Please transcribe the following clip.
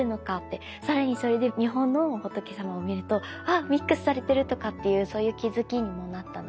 更にそれで日本の仏さまを見るとあミックスされてるとかっていうそういう気付きにもなったので。